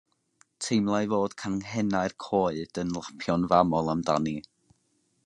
Teimlai fod canghennau'r coed yn lapio'n famol amdani.